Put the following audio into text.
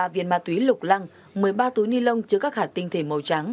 ba viên ma túy lục lăng một mươi ba túi ni lông chứa các hạt tinh thể màu trắng